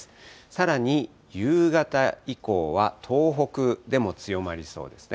さらに夕方以降は東北でも強まりそうですね。